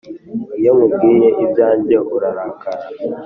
iyo nkubwiye ibyanjye urarakara